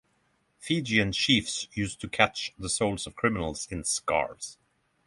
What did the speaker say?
Fijian chiefs used to catch the souls of criminals in scarves.